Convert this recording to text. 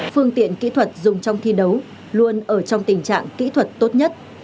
phương tiện kỹ thuật dùng trong thi đấu luôn ở trong tình trạng kỹ thuật tốt nhất